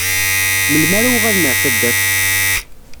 Melmi ara uɣalen ɣer taddart?